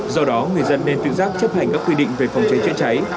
do đó người dân nên tự giác chấp hành các quy định về phòng cháy chữa cháy